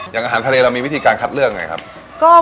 อย่างอาหารทะเลเรามีวิธีการคัดเลือกไงครับ